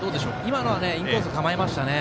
今のはインコース構えましたね。